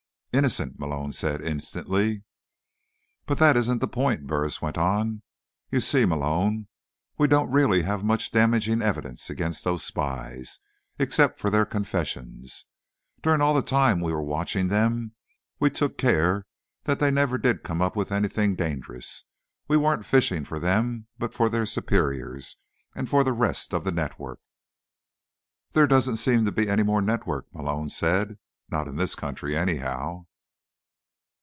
"Innocent," Malone said instantly. "But that isn't the point," Burris went on. "You see, Malone, we don't really have much damaging evidence against those spies, except for their confessions. During all the time we were watching them, we took care that they never did come up with anything dangerous; we weren't fishing for them but for their superiors, for the rest of the network." "There doesn't seem to be any more network," Malone said. "Not in this country, anyhow."